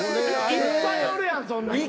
いっぱいおるやんそんな人。